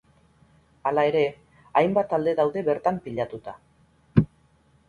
Hala ere, hainbat talde daude bertan pilatuta.